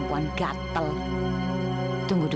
tunggu sebentar aini